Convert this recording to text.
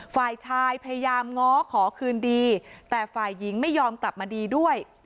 ฝ่ายชายพยายามง้อขอคืนดีแต่ฝ่ายหญิงไม่ยอมกลับมาดีด้วย